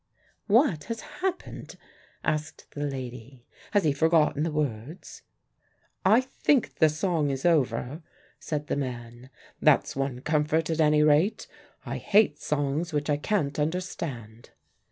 "What has happened?" asked the lady. "Has he forgotten the words?" "I think the song is over," said the man. "That's one comfort at any rate. I hate songs which I can't understand."